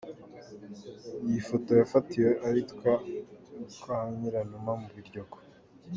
Iyi foto yafatiwe ahitwa kwa Nyiranuma mu Biryogo.